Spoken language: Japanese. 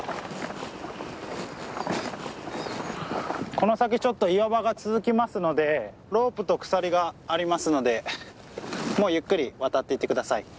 この先ちょっと岩場が続きますのでロープと鎖がありますのでもうゆっくり渡っていって下さい。